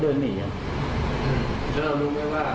ด้วยขวาครับ